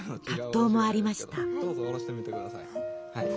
どうぞおろしてみてください。